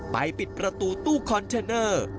ปิดประตูตู้คอนเทนเนอร์